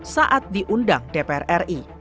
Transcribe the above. saat diundang dpr ri